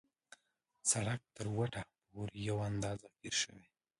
سړک تر وټه پورې یو اندازه قیر شوی.